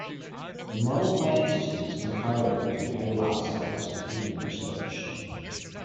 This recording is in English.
The model plant system is comparable to HeLa cells for human research.